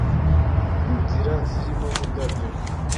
Inzira zirimo indabyo